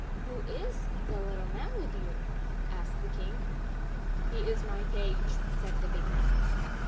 "Who is the little man with you?" asked the king. "He is my page," said the big man.